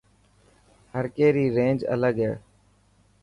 هر ڪي ري رينج الگ هي.